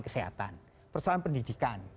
kesehatan persoalan pendidikan